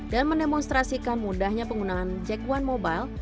dan mendemonstrasikan mudahnya penggunaan jack one mobile